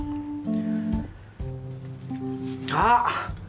あっ！